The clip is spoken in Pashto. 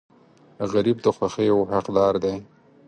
غریب د خوښیو حقدار دی